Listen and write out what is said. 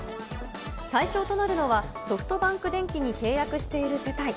対象となるのは、ソフトバンクでんきに契約している世帯。